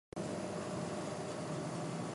埼玉県坂戸市